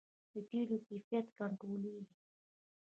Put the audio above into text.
د تیلو کیفیت کنټرولیږي؟